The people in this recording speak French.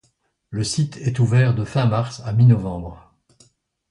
Le site est ouvert de fin mars à mi-novembre.